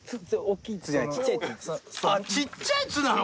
あっちっちゃい「ッ」なの？